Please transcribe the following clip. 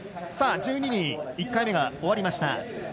１２人、１回目が終わりました。